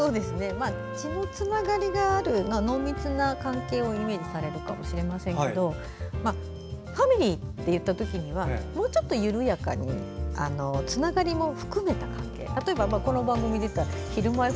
血のつながりがある濃密な関係をイメージされるかもしれませんがファミリーって言ったときにはもうちょっと緩やかにつながりも含めて例えばこの番組だとひるまえ